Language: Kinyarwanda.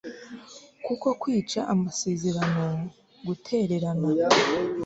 kuko kwica amasezerano, gutererana